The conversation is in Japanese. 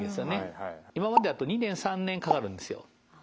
今までだと２年３年かかるんですよ。